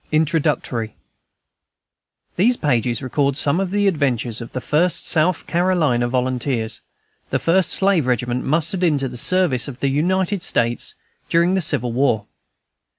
Introductory These pages record some of the adventures of the First South Carolina Volunteers, the first slave regiment mustered into the service of the United States during the late civil war.